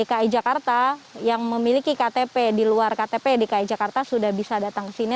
dki jakarta yang memiliki ktp di luar ktp dki jakarta sudah bisa datang ke sini